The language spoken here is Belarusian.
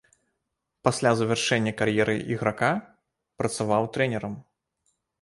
Пасля завяршэння кар'еры іграка працаваў трэнерам.